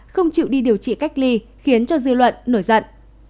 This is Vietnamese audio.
không chịu đi điều trị cách ly khiến cho dư luận nổi giận